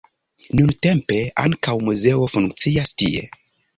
Nuntempe ankaŭ muzeo funkcias tie.